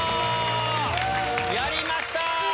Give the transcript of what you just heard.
やりました！